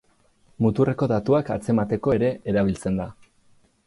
Muturreko datuak atzemateko ere erabiltzen da.